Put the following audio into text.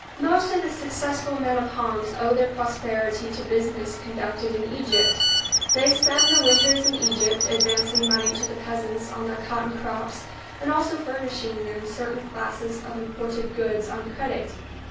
Most of the successful men of Homs owe their prosperity to business conducted in Egypt. They spend the winters in Egypt, advancing money to the peasants on their cotton crops and also furnishing them certain classes of imported goods on credit.